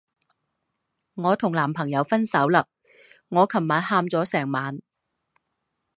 我跟男朋友分手了，我昨天哭了整个晚上。